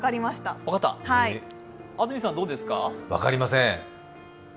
分かりません。